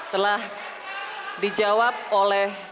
telah dijawab oleh